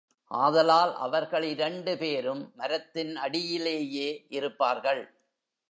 ஆதலால், அவர்கள் இரண்டு பேரும் மரத்தின் அடியிலேயே இருப்பார்கள்.